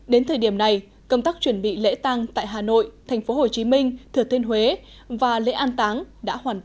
đến thời điểm này công tác chuẩn bị lễ tăng tại hà nội tp hcm thừa thiên huế và lễ an táng đã hoàn tất